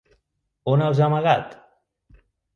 On els ha amagat?